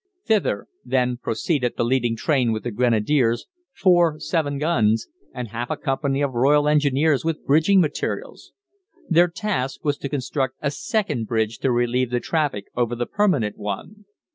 Thither, then, proceeded the leading train with the Grenadiers, four 4·7 guns, and half a company of Royal Engineers with bridging materials. Their task was to construct a second bridge to relieve the traffic over the permanent one.